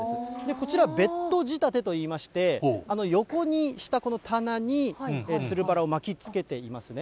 こちら、ベッド仕立てといいまして、横にしたこの棚に、つるバラを巻きつけていますね。